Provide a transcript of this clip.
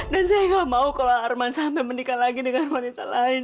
dan saya enggak mau kalau arman sampai menikah lagi dengan wanita lain